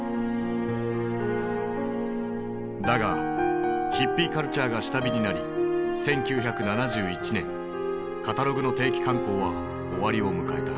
だがヒッピーカルチャーが下火になり１９７１年カタログの定期刊行は終わりを迎えた。